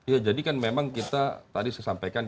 ya jadi kan memang kita tadi saya sampaikan